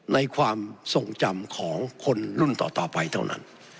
ในความทรงจำของคนรุ่นต่อไปเท่านั้น